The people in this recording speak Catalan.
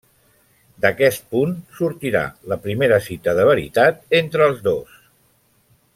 D’aquest punt sortirà la primera cita de veritat entre els dos.